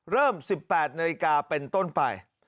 เริ่ม๑๘นาฬิกาเป็นต้นไป